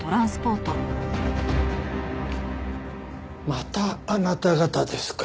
またあなた方ですか。